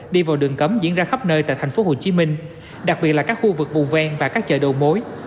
đi vào đường cấm diễn ra khắp nơi tại tp hcm đặc biệt là các khu vực vùng ven và các chợ đầu mối